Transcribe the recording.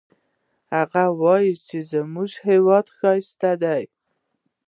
هغه وایي چې زموږ هیواد ښایسته ده